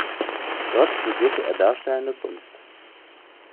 Dort studierte er Darstellende Kunst.